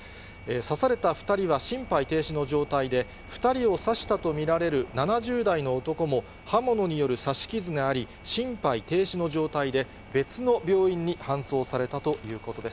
刺された２人は心肺停止の状態で、２人を刺したと見られる７０代の男も、刃物による刺し傷があり、心肺停止の状態で、別の病院に搬送されたということです。